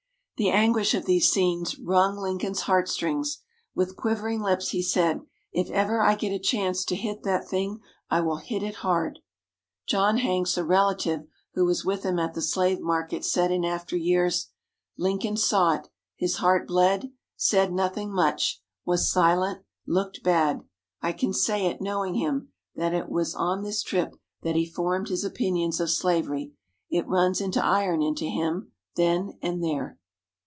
The anguish of these scenes wrung Lincoln's heartstrings. With quivering lips, he said, "If ever I get a chance to hit that thing, I will hit it hard." John Hanks, a relative who was with him at the slave market, said in after years: "Lincoln saw it; his heart bled; said nothing much, was silent, looked bad. I can say it, knowing him, that it was on this trip that he formed his opinions of slavery. It run its iron into him, then and there."